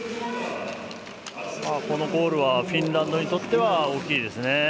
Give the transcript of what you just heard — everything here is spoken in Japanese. このゴールはフィンランドにとっては大きいですね。